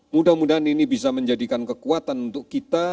mudah mudahan ini bisa menjadikan kekuatan untuk kita